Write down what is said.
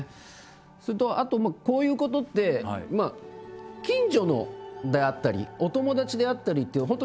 それとあとこういうことって近所であったりお友達であったりっていう本当